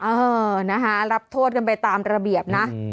เออนะคะรับโทษกันไปตามระเบียบนะ